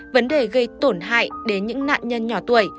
vấn đề gây tổn hại đến những nạn nhân nhỏ tuổi